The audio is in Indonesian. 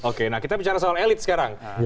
oke nah kita bicara soal elit sekarang